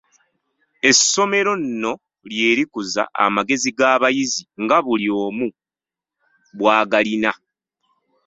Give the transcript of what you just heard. Essomero nno lye likuza amagezi g'abayizi, nga buli omu bw'agalina.